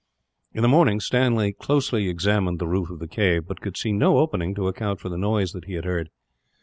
In the morning Stanley closely examined the roof of the cave, but could see no opening to account for the noise that he had heard.